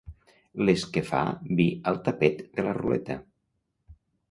Les que fa vi al tapet de la ruleta.